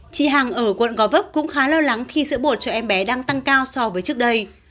chị hằng ở quận gò vấp cũng khá lo lắng khi sữa bột cho em bé đang tăng cao so với trước đây